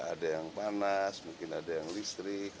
ada yang panas mungkin ada yang listrik